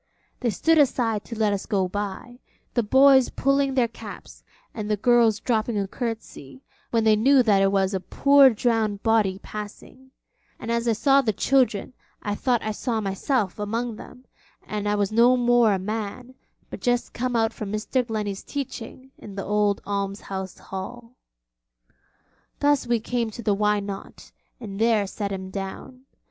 They stood aside to let us go by, the boys pulling their caps and the girls dropping a curtsy, when they knew that it was a poor drowned body passing; and as I saw the children I thought I saw myself among them, and I was no more a man, but just come out from Mr. Glennie's teaching in the old almshouse hall. Thus we came to the Why Not? and there set him down.